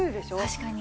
確かに。